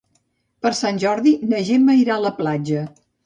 Per Sant Jordi na Gemma irà a la platja.